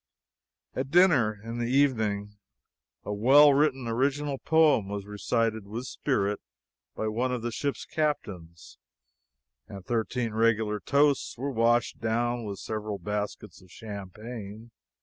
At dinner in the evening, a well written original poem was recited with spirit by one of the ship's captains, and thirteen regular toasts were washed down with several baskets of champagne.